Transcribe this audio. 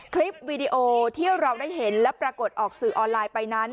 คลิปวีดีโอที่เราได้เห็นและปรากฏออกสื่อออนไลน์ไปนั้น